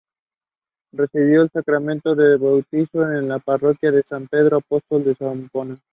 Recibió el sacramento del bautismo en la parroquia de San Pedro Apóstol en Zapopan.